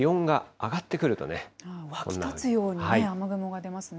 湧き立つように雨雲が出ますね。